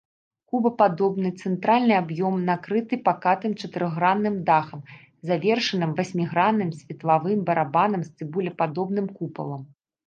Кубападобны цэнтральны аб'ём накрыты пакатым чатырохгранным дахам, завершаным васьмігранным светлавым барабанам з цыбулепадобным купалам.